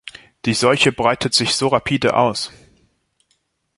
Die Seuche breitet sich so rapide aus.